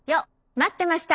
待ってました！